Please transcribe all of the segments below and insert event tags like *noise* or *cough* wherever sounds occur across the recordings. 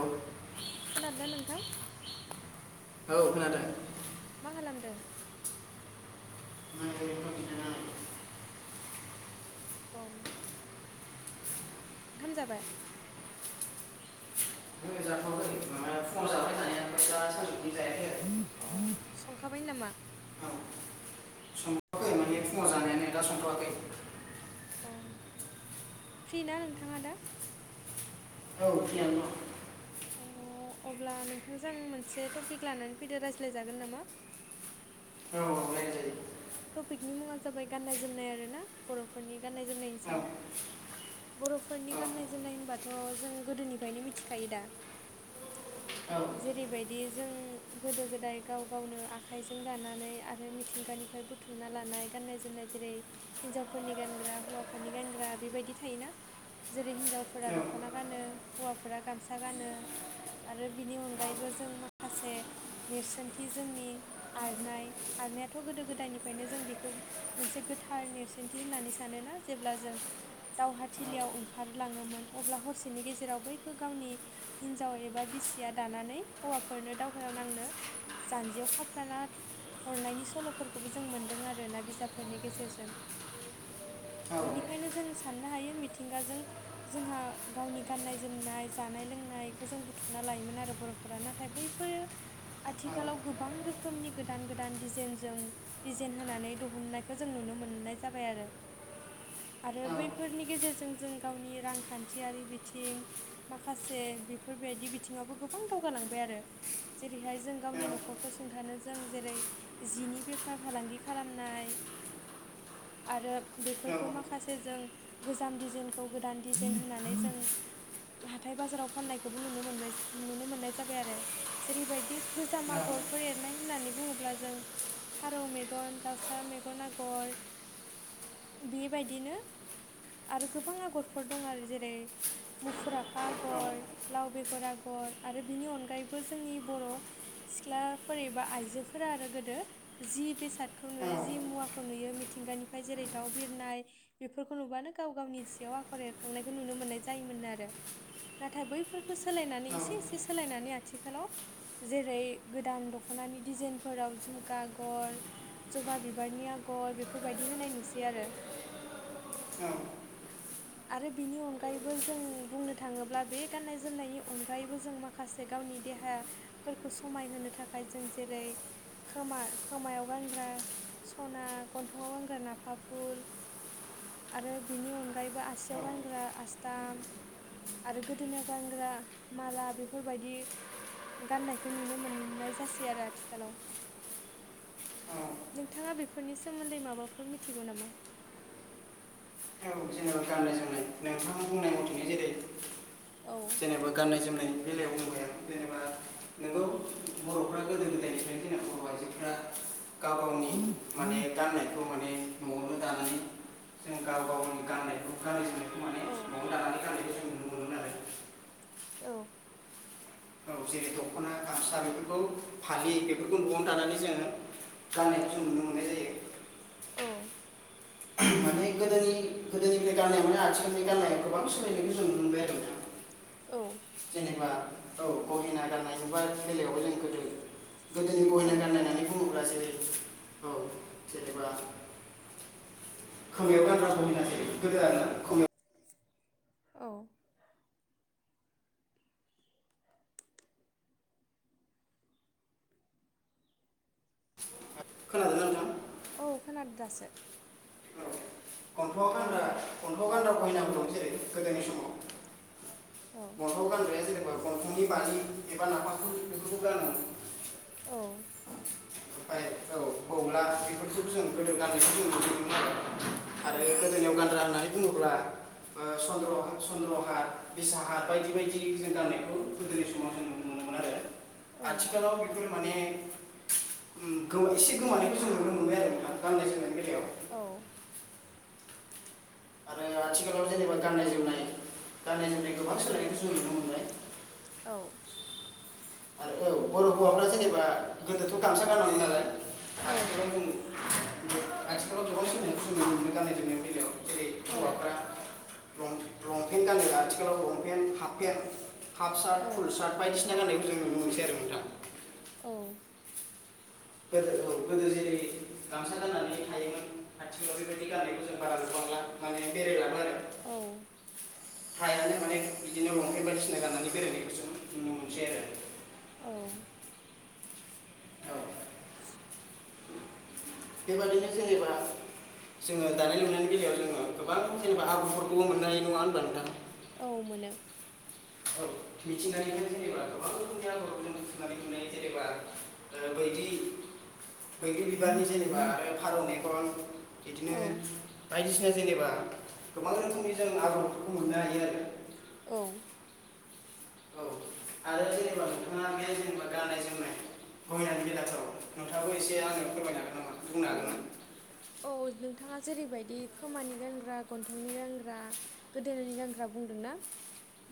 औउ खोनादोंना नोंथां औ खोनादों मा खालामदों म मोननो *inaudible* औ ओंखाम जाबाय ओमहो जाथवाखै माबा फुङाव जाबाय थानाय दा सानजुनि जायाखै आरो अ संखाबाय नामा आरो औ अ संथ'वाखै माने फुङाव जानायानो दा संथ'वाखै औ फ्रि ना नोंथाङा दा औ फ्रियानो दं अ अब्ला नोंथांजों मोनसे टपिक लानानै फैदो रायज्लायजागोन नामा *unintelligible* *inaudible* दं औ औ रायज्लायजायो टपिकनि मुङा जाबाय गाननाय जोमनाय आरो ना बर'फोरनि गाननाय जोमनायनि औ सायाव बर'फोरनि गाननाय जोमनाय होनबाथ' जों गोदोनिफ्रायनो मिथिखायो दा *unintelligible* *inaudible* जेरैबायदि जों गोदो गोदाय गाव गावनो आखाइजों दानानै आरो मिथिंगानि ओमफ्राय बुथुमना लानाय गाननाय जोमनाय जेरै हिन्जावफोरनि गानग्रा हौवाफोरनि गानग्रा बेबायदि थायोना जेरै हिनजावफोरा दख'ना गानो हौवाफोरा गामसा गानो आरो बिनि अनगायैबो जों माखासे नेरसोनथि जोंनि आर'नाय आर'नायाथ' गोदो गोदा दायनिफ्रायनो जों बेखौ मोनसे गोथार नेरसोनथि होननानै सानोना जेब्ला जों दावहाथिलियाव ओंखारलाङोमोन अब्ला हरसेनि गेजेराव बैखौ गावनि हिनजाव एबा बिसिया दानानै हौवाफोरनो दावहायाव नांनो जान्जियाव खाफ्राना हरनायनि सल'फोरखौ बो जों मोनदों आरोना बिजाबफोरनि गेजेरजों औ बेनिखायनो जों सानो नो हायो मिथिंगाजों जोंहा गावनि गाननाय जोमनाय जानाय लोंनायखौ जों बुथुमना लायो मोन आरो बर'फोरा नाथाय बैफोर आथिखालाव गोबां रोखोमनि गोदान गोदान दिजेइनजों दिजेइन होनानै दुहुननायखौ जों नुनो मोननाय जाबाय आरो। आरो बैफोरनि गेजेरजों जों गावनि रांखान्थियारि बिथिं माखासे बेफोरबायदि बिथिङावबो गोबां दावगालांबाय आरो। जेरैहाय जों गावनि न'खरखौ सुंथानो जों जेरै जिनि बे फार फालांगि खालामनाय आरो बेफोरखौ माखासे जों गोजाम डिजाइनखौ गोदान डिजाइन होनानै जों हाथाय बाजाराव फाननायखौबो नुनो मोनबाय जो नुनो मोननाय जाबाय आरो जेरैबायदि गोजाम आगरफोर एरनाय होननानै बुङोब्ला जों फारौ मेगन, दाउसा मेगन आगर बिबायदिनो आरो गोबां आगरफोर दं आरो जेरै मुफुर आफा आगर, लाव बेगर आगर आरो बिनि अनगायैबो जोंनि बर' सिख्लाफोर एबा आइजोफोरा आरो गोदो जि बेसादखौ नुयो जि मुवाखौ नुयो मि थिंगानिफ्राय जेरै दाउ बिरनाय बेफोरखौ नुबानो गाव गावनि जिआव आखर एरखांनायखौ नुनो मोन्नाय जायोम ओन आरो नाथाइ बैफोरखौ सोलायनानै एसे एसे सोलायनानै आथि खालाव जेरै गोदान दख'नानि डिजाइनफोराव जुम आगर, जबा बिबारनि आगर बेफोरबायदि होनाय नुसै आरो। औ। आरो बिनि अनगायैबो जों बुंनो थाङोब्ला बे गान्नाय जोमनायनि अनगायैबो जों माखासे गाव गावनि देहाफोरखौ समायहोनो थाखाय जों जेरै खोमा खोमायाव गानग्रा सना गन्थंआव गानग्रा नाफाफुल आरो बिनि अनगायैबो आ आरो गोदोनोयाव गानग्रा माला बेफोरबायदि गाननायखौ नुनो मोननाय जासै आरो आथिखालाव। नोंथाङा बेफोरनि सोमोन्दै माबाफोर मिथिगौ नामा? औ जेनोबा गाननाय जोमनाय नोंथांनि बुंनाय मथेनो जेरै औ जेनोबा गाननाय जोमनायनि बेलायाव बुंबाय आङो जेनोबा नोंगौ बर'फ्रा गोदो गोदायनिफ्रायनो जोंना बर' आइजोफ्रा गाव गावनि माने गाननायखौ माने न'आवनो दानानै जों गाव गावनि गाननायखौ गानोमोन औ। आरो औ। औ जेरै दख'ना गामसा बेफोरखौ फालि बेफोरखौ न'आवनो दानानै जोङो गाननायखौ जों नुनो मोननाय जायो। औ। मानि गोदोनि गोदोनिफ्राय गाननाय माने आथिखालनि गाननाय गोबां सोलायनायखौ जों नुनो मोनबाय आरो ना। औ जेनेबा औ गहेना गाननायनिफ्राय बेलायावबो जों गोदो गोदोनि गहेना औ गाननाय माने बुङोब्ला जेरै औ औ जेनेबा खोमायाव गानग्रा गहेना जेरै गोदो आरोना खोमा औ। खोनादोंना नोंथां? औ खोनादो दासो। औ। याव गानग्रा गहेनाफोर दं जेरै गोदोनि समाव औ। दंफांनि बारि एबा नाफाफुल बेफोरखौ गानोमोन। औ। ओमफाय औ *unintelligible* बेफोरखौ जों गोदो गाननायखौ जों नुनो मोनोमोन औ आरो। आरो गोदोनायाव गानग्रा होन्नाय बुङोब्ला चन्द्रहत बिसाहा बायदि बायदि जों गानाय समाव जों नुनो मोनोमोन आरो औ आथिखालाव बेफोर माने एसे गोमानायखौ जों नुनो मोनबाय आरो गाननाय जोमनायनि बेलायाव औ आरो आथिखालाव जेनेबा गाननाय जोमनाय गाननाय जोमनाय गोबां सोलायनायखौ जों नुनो मोनबाय। औ आरो औ बर हौवाफ्रा जेनेबा गोदोथ गामसा गानांगौ नालाय औ आथिखालाव जों आथिखालाव गोबां सोलायनायखौ जों नुनो मोनो गान्नाय जोमनायनि बेलायाव जेरै हौवाफ्रा लंपेन्ट गानो आथिखालाव long pant half pant half shirt full shirt बायदिसिना गाननायखौ जों नुनो मोनसै आरो नोंथां। औ गोदो औ गोदो जेरै गामसा गाननानै थायोमोन आथिखालाव बेबायदि गाननायखौ जों बारा गोबां माने बेरायलाङो आरो। औ फ्राइयानो माने बिदिनो लंपेन्ट बायदिसिना गाननानै बेरायनायखौ जों नुनो मोनसै आरो। औ औ नोंनि बादिब्ला जेनोबा जोङो दानाय लुनायनि बेलायाव जोङो गोबां जेनेबा आाब्रुफोरखौबो मोननाय नङा होनबा नोंथां? औ मोनो‌। औ मिथिनानै जेनेबा गोबांनानै जेनेबा बैदि बैग्रि बिबारनि जेनेबा आरो फारौ मेगन बिदिनो औ बायदिसिना जेनेबा गोबां रोखोमनि जों आगरफोरखौ मोननो हायो आरो। औ आरो औ *inaudible* आरो जेनेबा नोंथाङा बे जेनेबा गाननाय जोमनाय गङियानि बेलाथाव नोंथाङाबखौ एसे आंनो फोरमायनो हागोन नामा? बुंनो हागोनना? अ औ नोंथाङा जेरैबायदि खोमानि गानग्रा गन्थंनि गानग्रा गोदोननि गानग्रा बुंदोंना।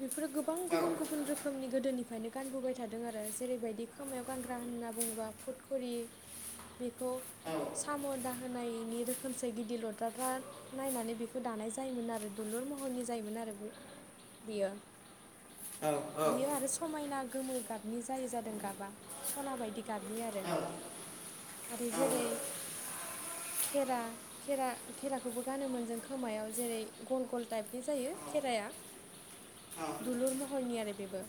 बेफोरो गोबां ना गुबुन गुबुन रोखोमनि गोदोनिफ्रायनो गानबोबाय थादों आरो जेरैबायदि खोमायाव गानग्रा होनना बुङोबा फुटखुरि। बेखौ औ खाम' दााहायनि रोखोमसे गिदिर लद्राद्रा नायनानै बेखौ दानाय जायोमोन आरो दुलुर मह नि जायोमोन आरो बे बेयो। औ बियो आरो समायना गोमो गाबनि जाय जादों गाबा सना बायदि गाबनि आरो। औ आरो जेरै खेरा खेरा खेराखौबो गानोमोन जों खोमायाव जेरै गल गल टाइपनि जायो खेराया। औ दुलुर महरनि आरो बेबो।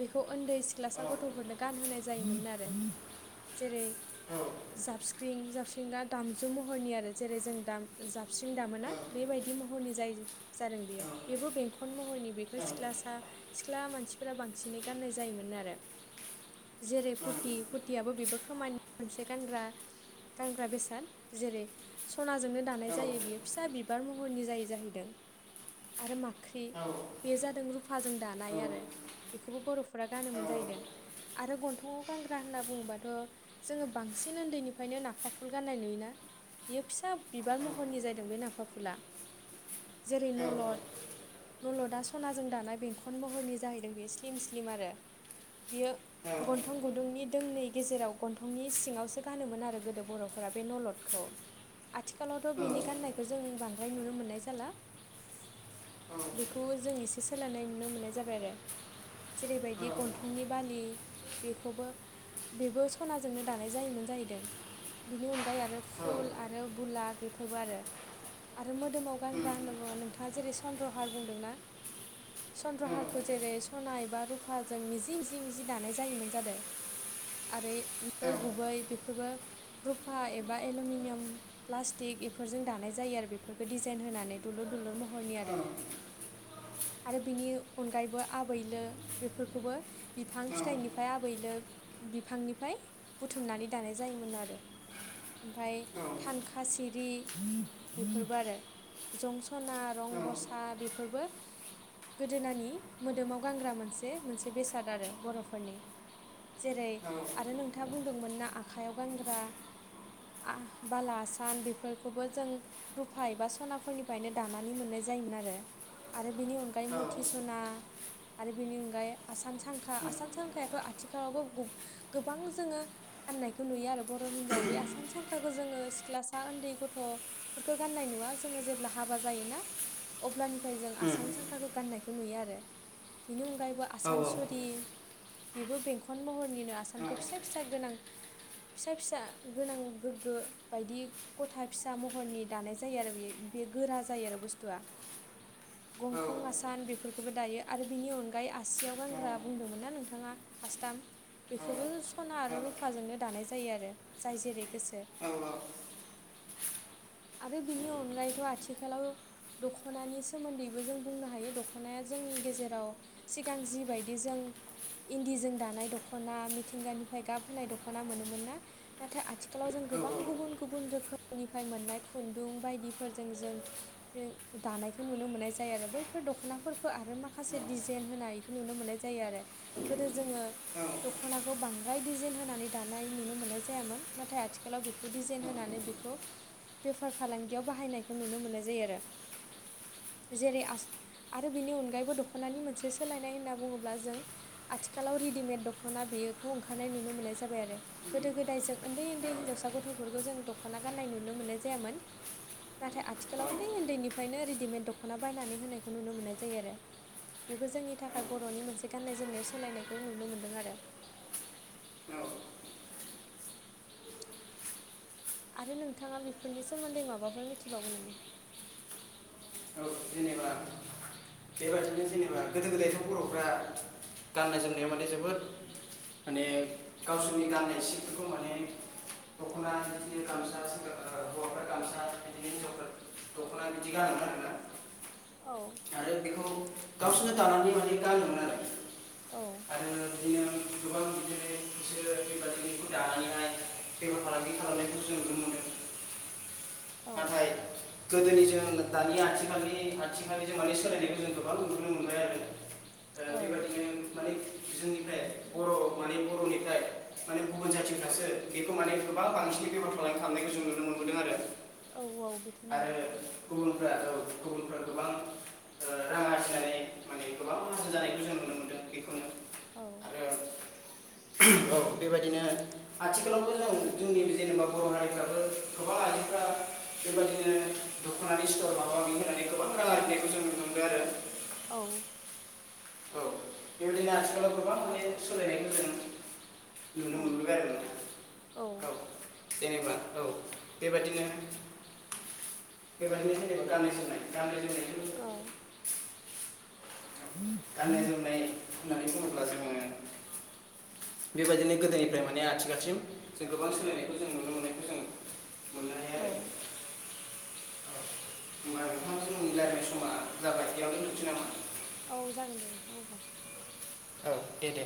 बेखौ उन्दै सिख्लासा औ गथ'फोरनो गानहोनाय जायोमोन आरो। जेरै जाबस्ख्रिं जा जाबस्रिं दामजु महरनि आरो जेरै जों जाबस्रिं दामोना बेबायदि महरनि जायो जो जा आरोन बेयो बेबो बेंखन महरनि बेखौ सिख्लासा सिख्ला मानसिफोरा बांसिनै गाननाय जायोमोन नो आ रो जेरै पुति पुतियाबो बेबो खोमानि मोनसे गानग्रा। गानग्रा बेसाद जेरै सनाजोंनो दानाय जायो बियो फिसा बि बार महरनि जायै जाहैदों आरो माख ख्रि बे जादों रुफाजों दानाय आरो बेखौबो बर' फोरा गानोमोन जाहैदों आरो गन्थंआव गानग्रा होनना बुङोबाथ' जोङो बांसिन उन्दैनिफ्रायनो नाग फाफुल गाननाय नुयोना बियो फिसा बिबार महरनि ज जादों बे नाफा फुला। जेरै नलद नलदा सनाजों दानाय बेंखन महरनि जाहैदों बे स्लिम स्लिम आरो बियो गन्थं गुदुंनि दोंनै गेजेराव गन्थंनि सिङावसो गानोमोन आरो गोदो बर'फोरा बे नलदखौ आथिखालावथ' बिनि गान्नायखौ जों बांसि हाय नुनो मोननाय जाला। बेखौ जों एसे सोलायनाय नुनो मोननाय जाबाय आरो- जेरैबायदि गन्थंनि बालि बेखौबो- बेबो सनाजोंनो दानाय जायोमोन जाहैदों बेनि अनगायै आरो फुल आरो बुलाग- बेफोरबो आरो आरो मोदोमाव गानग्रा होनोबा नोंथाङा जेरै चन्द्रहार बुंदोंना- चन्द्रहारखौ जेरै सना एबा रुफाजों मिजि मिजि मिजि दानाय जायोमोन जादो। आरे लु गुबै बेफोरबो रुफा एबा एलमिनियाम प्लास्टिक बेफोरजों दानाय जायो आरो बेफोरखौ डिजाइन होनानै दु दुलुर दुलुर महरनि आरो आरो बिनि अनगायैबो आबैलो बेफोरखौबो बिफां फिथाइनिफ्राय आबैल बिफांनिफ्राय बुथुमनानै दानाय जायोमोन आरो रो ओमफाय जेनेबा थानखा सिरि बेफोरबो आरो जं सना रं बसा बेफोरबो गोदोनानि मोदोमाव गानग्रा मोनसे मोनसे बेसाद आरो बर'फोरनि जेरै आरो नोंथाङा बुंदोंमोन ना आखाइायाव गानग्रा आ बाला आसान बेफोरखौबो जों रुफा एबा सनाफोरनिफ्रायनो दानानै मोननाय जायो। जायोमोन आरो आरो बेनि अनगायै मथि सना आरो बेनि अनगायै आसान सांखा आसान सांखायाथ' आथिखालावबो गोब गोबां जोङो गाननायखौ नुयो आरो बर' हिनजाव बे आसान सांख- जोङो सिख्लासा उन्दै गथ'फोरखौ गाननाय नुवा जोङो जेब्ला हाबा जायोना अब्लानिफ्राय जों आसान सांखाखौ गाननायखौ नुयो आरो बिनि उनाव अरायबो आसानसुरि बेबो बेंखन महरनिनो आसानखौ फिसा फिसा गोनां फिसा फिसा गोनां गोग्गो बायदि गथा फिसा महरनि दानाय जायो आरो बे बे गोरा जायो आरो बुस्थुआ गंखं आसान बेफोरखौबो दायो आरो बिनि अनगायै आसियाव गानग्रा बुंदोंमोन ना नोंथाङा आसथाम बेखौबो सना आरो रुफाजोंनो दानाय जायो आरो जाय जेरै गोसो औ औ आरो बिनि अनगायैथ' आथिखालाव- दख'नानि सोमोन्दैबो जों बुंनो हायो दख'नाया जोंनि गेजेराव सिगां जिबायदि जों इन्दिजों दानाय दख'ना मिथिंगानिफ्राय गाब होनाय दख'ना मोनोमोन ना नाथाय आथिखाल आथिखालाव जों गोबां गुबुन गुबुन रोखोमनिफ्राय मोननाय खुन्दुं बायदिफोरजों जों दानायखौ नुनो मोन्नाय जायो आरो बैफोर दख'नाफोरखौ आ आरो माखासे दिजाइन होनाय बेखौ नुनो मोननाय जायो आरो गोदो जोङो दख'नाखौ बांद फ्राय डिजाइन होनानै दानाय नुनो मोननाय जायामोन नाथाय आथिखालाव बेखौ डिजाइन होनानै बेखौ बेफार फालांगियाव बाहायनायखौ नुनो मोन्नाय जायो आरो जेरै आरो बिनि अनगायैबो दख'नानि मोनसे सोलायनाय होनना बुङोब्ला जों आथिखालाव- रेदिमेद दख'ना बेखौ ओंखारनाय नुनो मोननाय जाबाय आरो गोदो गोदाय जों उन्दै उन्दै हिनजावसा गथ'फोरखौ जों दख'ना गान्नाय ननो मोननाय जायामोन। नाथाय आथिखालावनोन्दै उन्दैनिफ्रायनो रेडिमेड दख'ना बायनानै होनायखौ नुनो मोननाय जायो आरो बेबो जोंनि थाखाय बर'नि मोनसे गान्नाय जोमनायाव सोलायनायखौ नुनो मोनदों आरो औ आरो नोंथाङा बेफोरनि सोमोन्दै माबाफोर मिथिबावगोन नामा? औ जेनेबा बेबायदिनो जेनेबा गोदो गोदायथ' बर'फ्रा गाननाय जोमनायाव माने जोबोद माने गावसोरनि गाननाय जिफोरखौ माने दख'ना बिदिनो गामसा सेंग्राफ्रा हौवाफ्रा गामसा बिदिनो हिनजावफ्रा दख'ना बिदि गानोमोन आरोना। औ आरो बेखौ गावसोरनो दानानै माने गानोमोन आरो। औ आरो बिदिनो गोबां *unintelligible* दानानैहाय बेफार फालांगि खालामनायखौ जों नुनो मोनो। औ नाथाय गोदोनिजों दानि आथिखालनि आथिखालनिजों माने सोलायनायखौ जों गोबां नुुनो मोनबाय आरो। ओ, औ। बेबादिनो माने जोंनिफ्राय बर' माने बर'निफ्राय माने गुबुन जाथिनिफ्रासो बेखौ माने गोबां बांसिन बेफार फालांगि खालामनायखौ जों नुनो मोनदों आरो। औ औ बेथ' आरो नंगौ गुबुनफोराथ' गुबुनफ्रा गोबां ओ रां आरजिनानै गोबां माहाजोन जानायखौ जों नुनो मोनदों। बेखौनो औ। आरो औ बेबायदिनो आथिखालावबो जों जोंनि जेनेबा बर' हारिफ्राबो गोबां आइजोफ्रा बेबायदिनो दख'नानि स्थर माबा माबि होननानै गोबां रां आरजिनायखौ जों नुनो मोनदों आरो। औ। औ बेबायदिनो आथिखालाव गोबां माने सोलायनायखौ जों औ नुनो मोनबोबाय आरो नोंथां। औ जेनेबा औ बेबादिनो बेबादिनो जेनेबा गाननाय जोमनाय। गाननाय जोमनाय औ। गाननाय जोमनाय होननानै बुङोब्ला जोङो बेबादिनो गोदोनिफ्राय माने आथिखालसिम जों गोबां सोलायनायखौ जों नुनो मोननायखौ जों *unintelligible* औ होमबा नोंथां जोंनि रायलायनाय समा जाबाय बेयावनो दोनथ'नोसै नामा? औ जागोन दे नोंथां होनब्ला। औ दे दे।